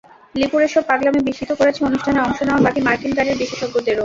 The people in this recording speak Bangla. লিপুর এসব পাগলামি বিস্মিত করেছে অনুষ্ঠানে অংশ নেওয়া বাকি মার্কিন গাড়ির বিশেষজ্ঞদেরও।